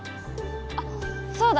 あそうだ。